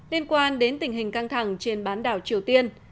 liên quan đến tình hình căng thẳng trên bán đảo triều tiên